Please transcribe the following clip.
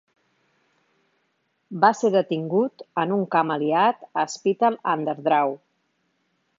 Va ser detingut en un camp aliat a Spittal an der Drau.